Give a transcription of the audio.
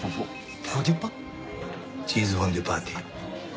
チーズフォンデュパーティー。